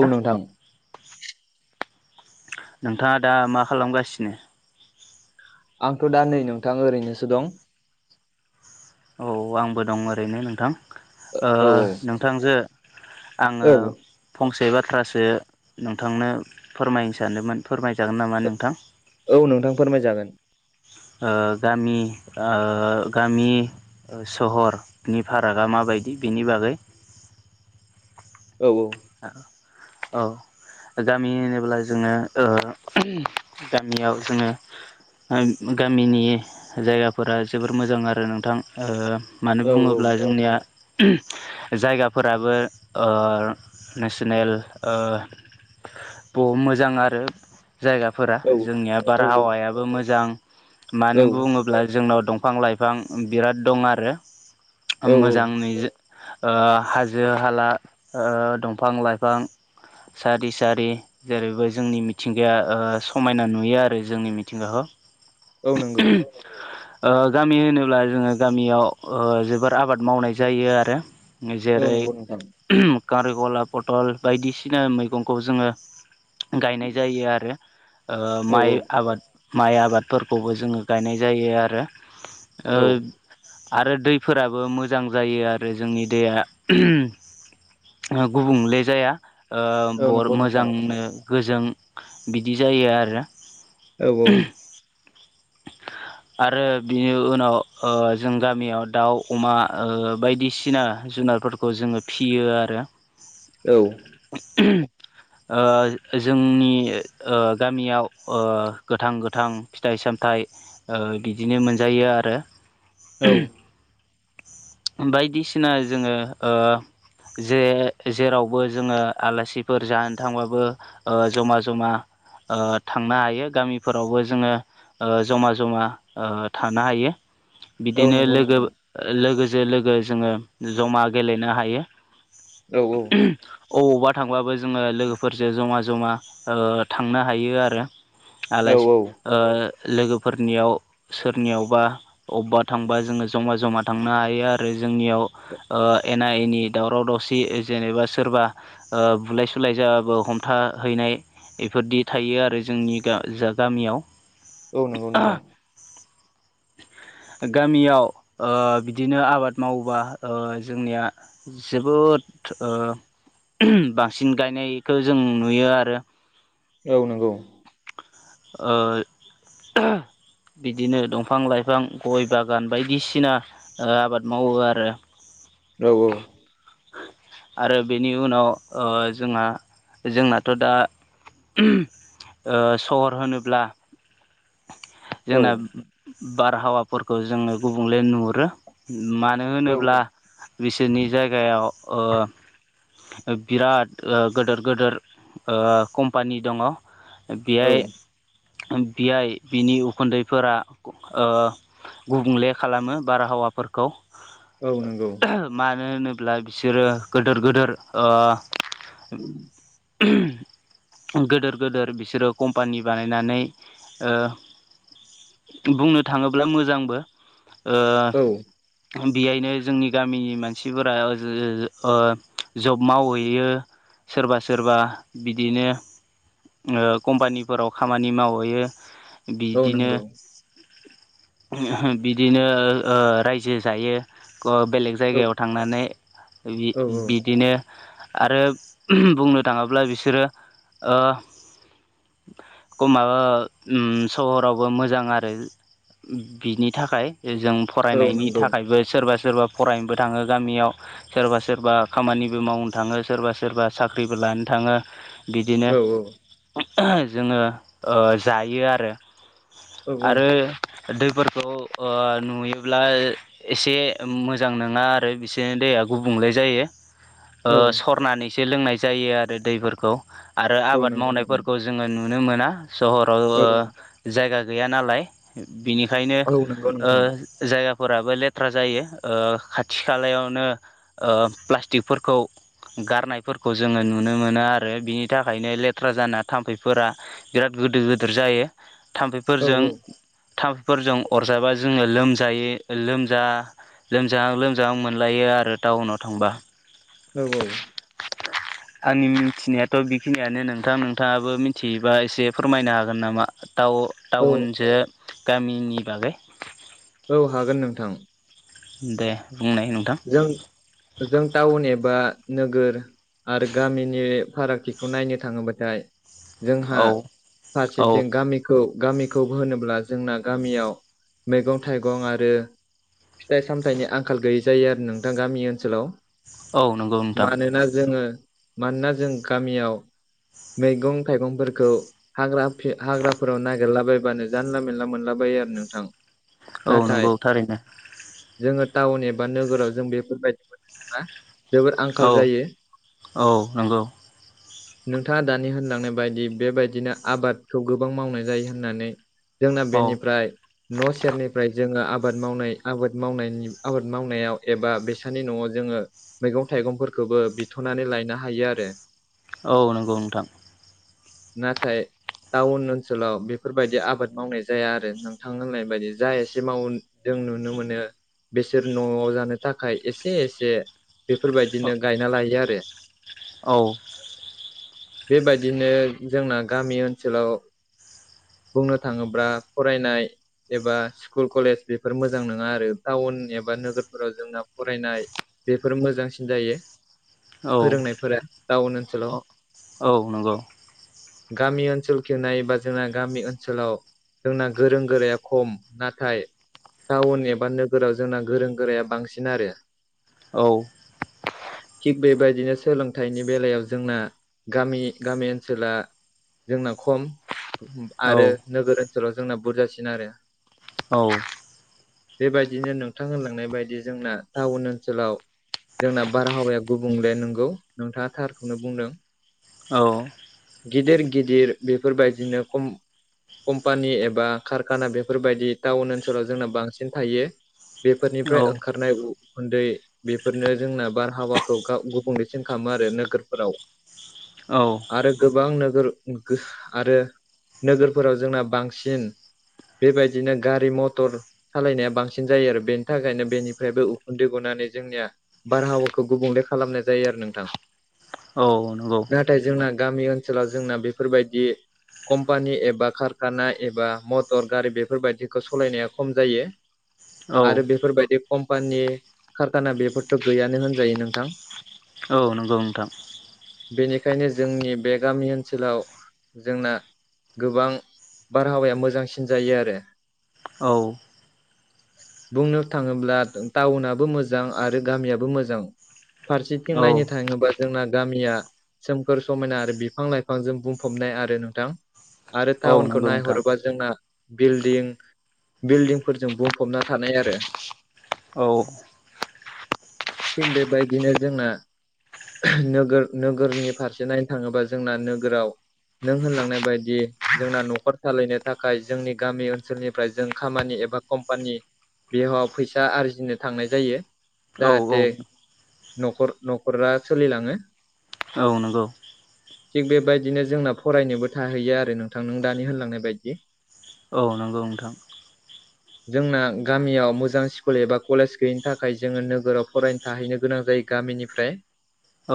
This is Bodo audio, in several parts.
औ नोंथां नोंथाङा दा मा खालामगासिनो? आंथ' दा नै नोंथां ओरैनोसो दं औ आंबो दं ओरैनो नोंथां ओ औ औ नोंथांजों आङो औ फंसे बाथ्रासो नोंथांनो फोरमायनो सानोमोन फोरमायजागोन नामा नोंथां औ नोंथां फोरमाय जागोन ओ गामि ओ गामि सहरनि फारागा माबायदि बेनि बागै औ औ औ गामि होनोब्ला जोंङो गामियाव जोंङो गामिनि जायगाफोरा जोबोर मोजां आरो नोंथां मानो औ बुंङोब्ला जोंनिया जायगाफोराबो नेसनेल ओ ब मोजां आरो जायगाफोरा औ जोंनिया औ बारहावायाबो मोजां मानो औ बुंङोब्ला जोंनाव दंफां लाइफां बिराद दं आरो औ मोजांङै हाजो हाला दंफां लाइफां सारि सारि जेरैबो जोंनि मिथिंगाया समायना नुयो आरो जोंनि मिथिंगाखौ औ नंगौ [inaudible] ओ गामि होनोब्ला जोंङो गामियाव जोबोर आबाद मावनाय जायो आरो औ जेरै नंगौ नोंथां कारिखला पटल बायदिसिना मैगंखौ जोंङो गायनाय जायो आरो औ माइ औ आबाद माइ आबादफोरखौबो जोंङो गायनाय जायो आरो औ आरो दैफोराबो मोजां जायो आरो जोंनि दैया गुबुंले जाया औ बर नंगौ नोंथां मोजांनो गोजों बिदि जायो आरो औ आरो बिनि उनाव जों गामियाव दाउ अमा बायदिसिना जुनारफोरखौ जोंङो फियो आरो औ [inaudible] जोंनि गामियाव गोथां गोथां फिथाइ सामथाइ बिदिनो मोनजायो आरो औ बायदिसिना जोंङो जे जेरावबो जोंङो आलासिफोर जानो थांबाबो जमा जमा ओ थांनो हायो गामिफोरावबो जोंङो जमा जमा थानो हायो। औ बिदिनो नंगौ लोगो नोंथां लोगोजों लोगो जोंङो जमा गेलेनो हायो औ औ बबावबा थांब्लाबो जोंङों लोगोफोरजों जमा जमा थांनो हायो आरो औ आलासि लोगोफोरनियाव सोरनियावबा अबेबा थांबा जोंङो जमा जमा थांनो हायो आरो जोंनियाव एना एनि दावराव दावसि जेनेबा सोरबा बुलाय सुलाय जाबाबो हमथाहैनाय इफोरदि थायो आरो जोंनि जा गामियाव औ नंगौ नोंथां न गामियाव बिदिनो आबाद मावोबा जोंनिया जोबोद बांसिन गायनायखौ जों नुयो आरो र्औ नंगौ ओ बिदिनो दंफां लाइफां गय बागान बायदिसिना आबाद मावो आरो औ औ [unintelligible] आरो बेनि उनाव ओ जोंहा जोंनाथ दा ओ सहर होनोब्ला औ जोंना बारहावाफोरखौ जोङो गुबुंले नुहुरो मानो औ होनोब्ला बिसोरनि जायगायाव ओ बिराद ओ गोदोर गोदोर ओ कम्पानि दङ बियाय औ बेयाय बिनि उखुन्दैफोरा ओ गुबुंले खालामो बारहावाफोरखौ। औ नंगौ। मानो होनोब्ला बिसोरो गोदोर गोदोर ओ गोदोर गोदोर बिसोरो कम्पानि बानायनानै ओ बुंनो थाङोब्ला मोजांबो ओ औ बेयायनो जोंनि गामिनि मानसिफोरा ओ जब मावहैयो सोरबा सोरबा बिदिनो ओ कम्पानिफोराव खामानि मावो। बोयो औ बिदिनो नंगौ बिदिनो ओ रायजो जायो ग बेलेग औ जायगायाव थांनानै बि औ बिदिनो आरो बुंनो थाङोब्ला बिसोरो ओ [unintelligible] ओ उम सहरावबो मोजां आरो बिनि थाखाय जे जों औ फरायनायनि नंगौ थाखायबो सोरबा सोरबा फरायनोबो थाङो गामियाव सोरबा सोरबा खामानिबो मावनो थाङो सोरबा सोरबा साख्रिबो लानो थाङो। बिदिनो औ औ जोङो ओ जायो आरो। औ आरो दैफोरखौ ओ नुयोब्ला एसे मोजां नङा आरो बिसोरनि दैया गुबुंले जायो। औ सरनानैसो लोंनाय जायो आरो दैफोरखौ आरो औ आबाद नंगौ नोंथां मावनायफोरखौ जोङो नुनो मोना सहराव औ औ जायगा ओ गैया नालाय। बिनिखायनो औ नंगौ ओ नोंथां जायगाफोराबो लेथ्रा जायो ओ खाथि खालायावनो ऐ प्लास्टिकफोरखौ गारनायफोरखौ जोङो नुनो मोनो आरो बिनि थाखायनो लेथ्रा जाना थाम्फैफोरा बिराद गोदोर गोदोर जायो औ थाम्फैफोरजों थामफैफोरजों अरजाबा जोङो लोमजायो लोमजा लोमजाहां लोमजाहां मोनलायो आरो टाउनाव थांबा। औ औ [inaudible] आंनि मिथिनायाथ बेखिनियानो नोंथां नोंथाङाबो मिथिबा एसे फोरमायनो हागोन नामा? टाव टाउनजों गामिनि बागै। औ हागोन नोंथां। दे बुंनाय नोंथां। जों जों टाउन एबा नोगोर आरो गामिनि फारागथिखौ नायनो थाङोबाथाय जोंहा औ औ फारसेथिं गामि खौ गामिखौ होनोब्ला जोंना गामियाव मैगं थाइगं आरो फिथाइ सामथाइनि आंखाल गैयि जायो आरो नोंथां गामि ओनसोलाव औ नंगौ नोंथां मानोना जोङो मानोना जों गामियाव मैगं थाइगंफोरखौ हाग्राफे हाग्राफोराव नागिरलाबायबानो जानला मेनला मोनलाबायो आरो नोंथां। औ नाथाय नंगौ थारैनो‌ जोङो टाउन एबा नोगोराव जों बेफोरबायदि मोननो थाङा। जोबोर औ आंखाल जायो औ नंगौ नोंथाङा दानि होनलांनाय बायदि बेबायदिनो आबादखौ गोबां मावनाय जायो होननानै जोंना औ बेनिफ्राय न' सेरनिफ्राय जोङो आबाद मावनाय आबाद मावनायनि आबाद मावनायाव एबा बेसानि न'आव जोङो मैगं थाइगंफोरखौबो बिथ'नानै लायनो हायो आरो औ नंगौ नोंथां नाथाय टाउन ओनसोलाव बेफोरबायदि आबाद मावनाय जाया आरो नोंथां होननाय बायदि जा एसे मावो जों नुनो मोनो। बिसोर न'आव जानो थाखाय एसे एसे बेफोरबायदिनो गायना लायो आरो औ बेबायदिनो जोंना गामि ओनसोलाव बुंनो थाङोब्ला फरायनाय एबा स्कुल कलेज बेफोर मोजां नङा आरो टाउन एबा बा नोगोरफोराव जोंना फरायनाय बेफोर मोजांसिन जायो। औ फोरोंनायफोरा टाउन ओनसोलाव औ नंगौ गामि ओनसोलखौ नायोबा जोंना गामि ओनसोलाव जोंना गोरों गोराया खम नाथाय टाउन एबा नोगोराव जोंना गोरों गोराया बांसिन आरो औ थिग बेबायदिनो सोलोंथाइनि बेलायाव जोंना गामि गामि ओनसोला जोंना खम औ आरो नोगोर ओनसोलाव जोंना बुरजासिन आरो औ बेबायदिनो नोंथां होनलांनाय बायदि जोंना टाउन ओनसोलाव जोंना बारहावाया गुबुंले नंगौ नोंथाङा थारखौनो बुंदों। औ गिदिर गिदिर बेफोरबायदिनो खम कम्पानि एबा कारखाना बेफोरबायाददि टाउन ओनसोलाव जोंना बांसिन थायो बेफोरनिफ्राय ओंखारनाय उखुन्दै बेफोरनो जोंना बारहावाखौ गुबुंलेसिन खालामो आरो नोगोरफोराव औ आरो गोबां नोगोर आरो नोगोरफोराव जोंना बांसिन बेबायदिनो गारि मथर सालायनाया बांसिन जायो आरो बेनि थाखायनो बेनिफ्रायबो उखुन्दै गनानै जोंनिया बारहावाखौ गुबुंले खालामनाय जायो आरो नोंथां औ नंगौ। नाथाय जोंना गामि ओनसोलाव जोंना बेफोरबायदि कम्पानि एबा कारखाना एबा मटर गारि बेफोरबायायदिखौ सालायनाया खम जायो औ आरो बेफोरबायदि कम्पानि कारखाना बेफोरथ' गैयानो होनजायो नोंथां औ नंगौ नोंथां बेनिखायनो जोंनि बे गामि ओनसोलाव जोंना गोबां बारहावाया मोजांसिन जायो आरो। औ बुंनो थाङोब्ला टाउनाबो मोजां आरो गामियाबो मोजां फारसेथिं औ नायनो थाङोबा जोंना गामिया सोमखोर समायना आरो बिफां लाइफांजों बुंफबनाय आरो नोंथां आरो औ टाउनखौ नंगौ नोंथां नायहरोबा जोंना बिल्डिं बिल्डिंफोरजों बो हबना थानाय आरो औ थिग बेबायदिनो जोंना नोगोर नोगोरनि फारसे नायनो थाङोबा जोंना नोगोराव नों होनलांनाय बायदि जोंना न'खर सालायनो थाखाय जोंनि गामि ओनसोलनिफ्राय जों खामानि एबाम बेयाव फैसा आरजिनो थांनाय जायो औ औ जाहाथे नख न'खरा सोलिलाङो औ नंगौ। थिग बेबायदिनो जोंना फरायनोबो थाहैयो आरो नोंथां नों दानि होनलांनाय बायदि औ नंगौ नोंथां। जोंना गामियाव मोजां स्कुल एबा कलेज गैयिनि थाखाय जोङो नोगोराव फरायनो थाहैनो गोनां जायो गामिनिफ्राय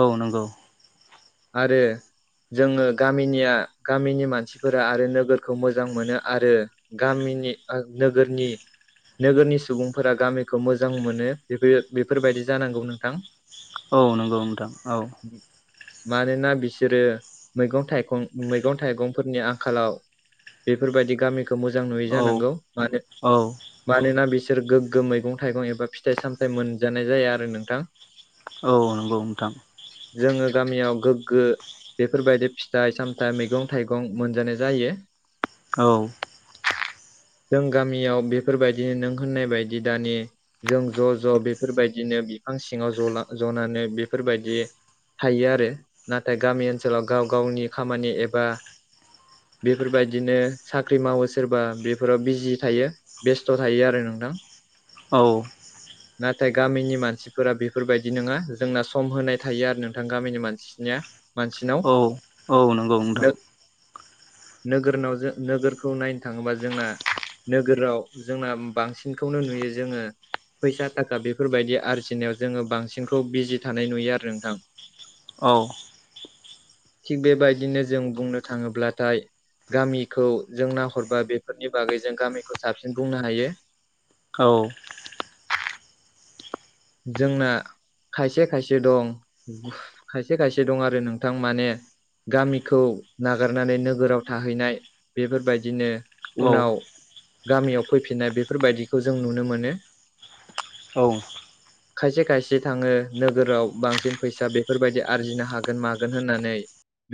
औ नंगौ। आरो। जोङो गामिनिया गामिनि मानसिफोरा आरो नोगोरखौ मोजां मोनो आरो गामिनि नोगोरनि नोगोरनि सुबुंफोरा गामिखौ मोजां मोनो बेफोर बेफोरबायदि जानांगौ नोंथां। औ नंगौ नोंथां औ। मानोना बिसोरो मैगं थाइगं मैगं थाइगंफोरनि आंखालाव बेफोरबायदि गामिखौ मोजां नुयै औ जानांगौ मानो औ। मानोना बिसोर गोग्गो मैगं थाइगं एबा फिथाइ सामथायाइ मोनजानाय जाया आरो नोंथां। औ नंगौ नोंथां। जोङो गामियाव गोग्गो। बेफोरबायदि फिथाइ सामथाइ मैगं थाइगं मोनजानाय जायो। औ। जों गामियाव बेफोरबायदि नों होननाय बायदि दानि जों ज' ज' बेफोरबायदिनो बिफां सिङाव जला जनानै बेफोरबायदि। थायो आरो नाथाय गामि ओनसोलाव गाव गावनि खामानि एबा बेफोरबायदिनो साख्रि मावो सोरबा बेफोराव बिजि थायो बेस्थ' थायो आरो नोंथां। औ। नाथाय गामिनि मानसिफोरा बेफोरबायदि नङा जोंना सम होनाय थायो आरो नोंथां गामिनि मानसिनिया। मानसिनाव औ औ नंगौ। नोंथां नोगोराव नोगोरखौ नायनो थाङोबा जोंना नोगोराव जोंना बांसिनखौनो नुयो जोङो फैसा थाखा बेफोरबायदि आरजिनायाव जोङो बांसिनखौ बिजि थानाय नुयो आरो नोंथां। औ। थिग बेबायदिनो जों बुंनो थाङोब्लाथाय गामिखौ जों नाहरबा बेफोरनि बागै जों गामिखौ साबसिन बुंनो हायो। औ। जोंना खायसे खायसे दं खायसे खायसे दं आरो नोंथां माने गामिखौ नागारनानै नोगोराव थाहैनाय बेफोरबायदिनो औ उनाव गामियाव फैफिननाय बेफोरबायदिखौ जों नुनो मोनो। औ। खायसे खायसे थाङो नोगोराव बांसिन फैसा बेफोरबायदि आरजिनो हागोन मागोन होननानै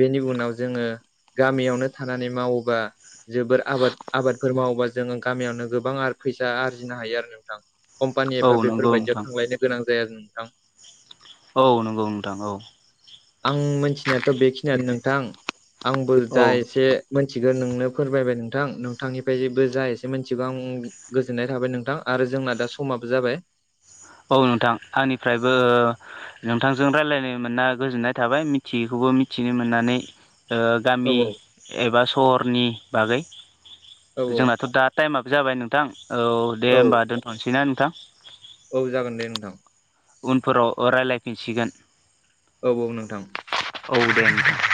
बेनि उनाव जोङो गामियावनो थानानै मावोबा जोबोर आबाद आबादफोर मावोबा जोङो गामियावनो गोबां फैसा आरजिनो हायो आरो नोंथां कम्पानि औ नंगौ एफा नोंथां बेफोरबायायदियाव थांलायनो गोनां जाया नोंथां। औ नंगौ नोंथां औ आं मिथिनायाथ' बेखिनियानो नोंथां आंबो औ जा एसे मिथिगोन नोंनो फोरमायबाय नोंथां नोंथांनिफ्राय जेबो जा एसे मिथिगौ आं गोजोननाय थाबाय नोंथां आरो जोंना दा समाबो जाबाय। औ नोंथां आंनिफ्रायबो नोंथांजों रायज्लायनो मोना गोजोननाय थाबाय मिथियैखौबो मिथिनो मोननानै औ गामि एबा सहरनि बागै औ जोंनाथ' दा टाइमाबो जाबाय नोंथां औ दे औ होमबा दोनथ'सैना नोंथां? औ जागोन दे नोंथां उनफोराव राय्लायफिनसिगोन। औ औ नोंथां औ दे दे